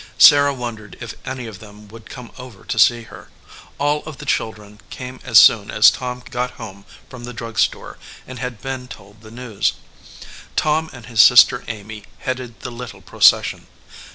Sarah wondered if any of them would come over to see her. All of the children came as soon as Tom got home from the drug store and had been told the news. Tom and his sister Amy headed the little procession.